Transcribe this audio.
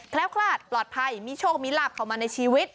คลาดปลอดภัยมีโชคมีลาบเข้ามาในชีวิต